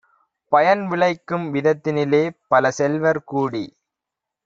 பயன்விளைக்கும் விதத்தினிலே பலசெல்வர் கூடி